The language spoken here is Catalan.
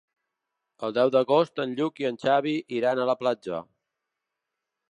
El deu d'agost en Lluc i en Xavi iran a la platja.